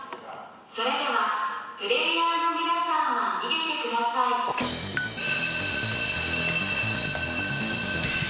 それではプレイヤーの皆さんは逃げてください。ＯＫ！